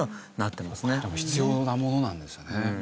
必要なものなんですよね。